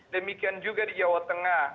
demikian juga di jawa tengah